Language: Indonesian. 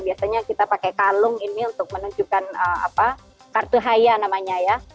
biasanya kita pakai kalung ini untuk menunjukkan kartu haya namanya ya